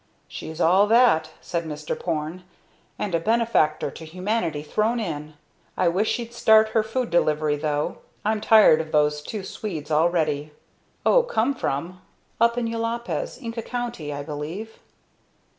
"She's all that," said Mr. Porne, "and a benefactor to humanity thrown in. I wish she'd start her food delivery, though. I'm tired of those two Swedes already. O come from? Up in Jopalez, Inca County, I believe."